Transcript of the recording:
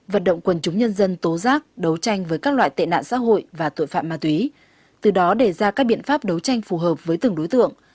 vận động quần chúng nhân dân tố giác đấu tranh với các loại tệ nạn xã hội và tội phạm ma túy từ đó đề ra các biện pháp đấu tranh phù hợp với từng đối tượng